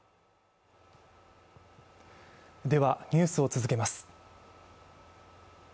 ニュースを続けます。